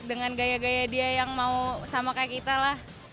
dengan gaya gaya dia yang mau sama kayak kita lah